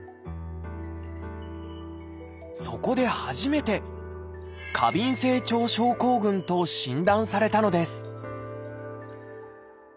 そこで初めて「過敏性腸症候群」と診断されたのです